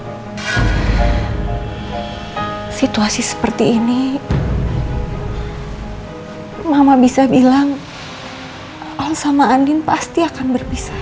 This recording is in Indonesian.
hai situasi seperti ini mama bisa bilang al sama andin pasti akan berpisah